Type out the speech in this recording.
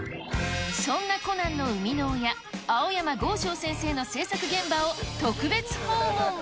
そんなコナンの生みの親、青山剛昌先生の制作現場を特別訪問。